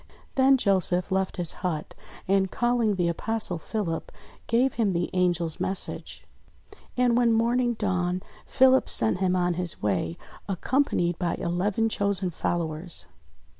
Then Joseph left his hut and calling the Apostle Philip, gave him the Angel's message. And, when morning dawned, Philip sent him on his way, accompanied by eleven chosen followers.